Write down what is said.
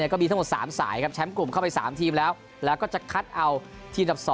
ก็มีทั้งหมด๓สายครับแชมป์กลุ่มเข้าไป๓ทีมแล้วแล้วก็จะคัดเอาทีมดับ๒